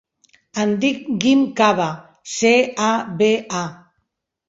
Em dic Guim Caba: ce, a, be, a.